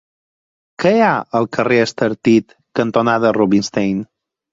Què hi ha al carrer Estartit cantonada Rubinstein?